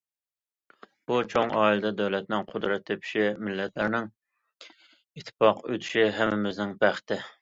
بۇ چوڭ ئائىلىدە دۆلەتنىڭ قۇدرەت تېپىشى، مىللەتلەرنىڭ ئىتتىپاق ئۆتۈشى ھەممىمىزنىڭ بەختى.